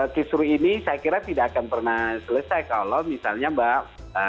kisru ini saya kira tidak akan pernah selesai kalau misalnya mbak